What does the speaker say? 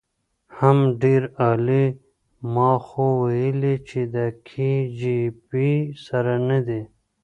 حم ډېر عالي ما خو ويلې چې د کي جي بي سره ندی.